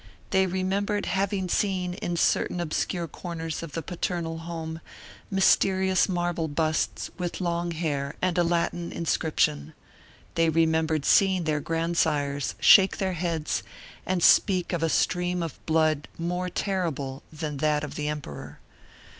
They remembered having seen in certain obscure corners of the paternal home mysterious marble busts with long hair and a Latin inscription; they remembered seeing their grandsires shake their heads and speak of a stream of blood more terrible than that of the emperor.